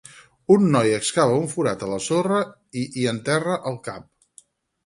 Un noi excava un forat a la sorra i hi enterra el cap.